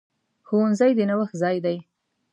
ښوونځی د نوښت ځای دی.